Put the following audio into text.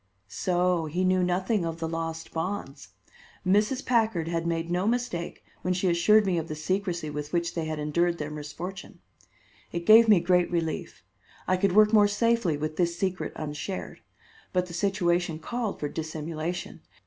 So he knew nothing of the lost bonds! Mrs. Packard had made no mistake when she assured me of the secrecy with which they had endured their misfortune. It gave me great relief; I could work more safely with this secret unshared. But the situation called for dissimulation.